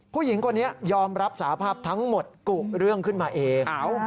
ผู้หญิงคนนี้ยอมรับสาภาพทั้งหมดกุเรื่องขึ้นมาเอง